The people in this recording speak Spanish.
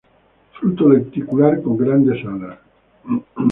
Fruto lenticular, con grandes alas.